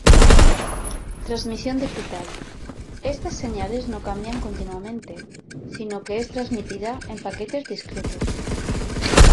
Transmisión digital: estas señales no cambian continuamente, sino que es transmitida en paquetes discretos.